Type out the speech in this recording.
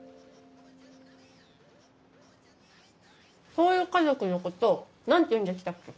そういう家族の事なんて言うんでしたっけ？